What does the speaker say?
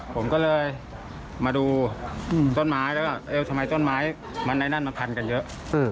ผมก็เลยมาดูต้นไม้แล้วก็เอวทำไมต้นไม้มันในนั่นมันพันกันเยอะ